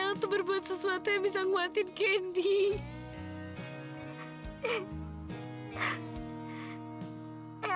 aku berbuat sesuatu yang bisa menguatkan candy